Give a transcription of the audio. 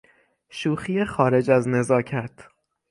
شوخی خارج از نزاکت